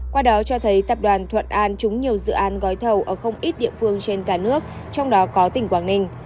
qua đó cho thấy tập đoàn thuận an trúng nhiều dự án gói thầu ở không ít địa phương trên cả nước trong đó có tỉnh quảng ninh